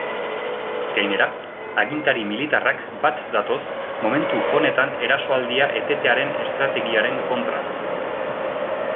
Gainera, agintari militarrak bat datoz momentu honetan erasoaldia etetearen estrategiaren kontra.